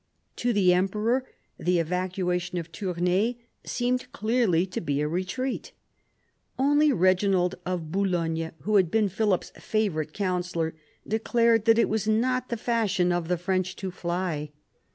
To the emperor the evacuation of Tournai seemed clearly to be a retreat. Only Eeginald of Boulogne, who had been Philip's favourite counsellor, declared that it was not the fashion of the French to fly.